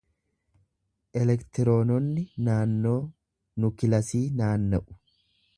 Elektiroononni naannoo nukilasii naanna’u.